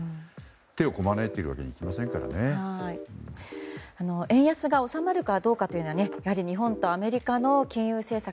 手をこまねいているわけには円安が収まるかどうかはやはり日本とアメリカの金融政策